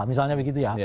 misalnya begitu ya